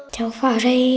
cháu vào đây